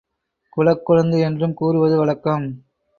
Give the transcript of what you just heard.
குலக்கொழுந்து என்றும் கூறுவது வழக்கம்.